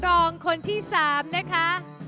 รองคนที่๓นะคะ